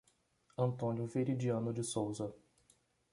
Antônio Veridiano de Souza